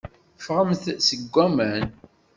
Ffɣemt-d seg waman.